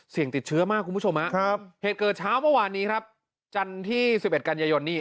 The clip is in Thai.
ติดเชื้อมากคุณผู้ชมเหตุเกิดเช้าเมื่อวานนี้ครับจันทร์ที่๑๑กันยายนนี่